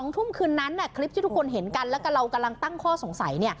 ทุ่มคืนนั้นคลิปที่ทุกคนเห็นกันแล้วก็เรากำลังตั้งข้อสงสัย